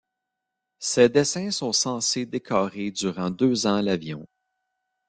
Ces dessins sont censés décorer durant deux ans l'avion.